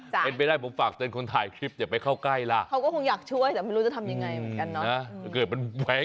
เห็นไปได้ผมฝากเจนคนถ่ายคลิปอย่าไปเข้าใกล้ล่ะ